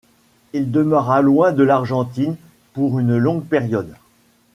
Il demeura loin de l'Argentine pour une longue période.